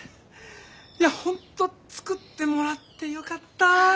いや本当作ってもらってよかった。